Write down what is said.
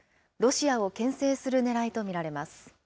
ロシアをけん制するねらいと見られます。